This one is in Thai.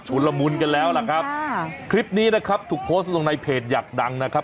ละมุนกันแล้วล่ะครับคลิปนี้นะครับถูกโพสต์ลงในเพจอยากดังนะครับ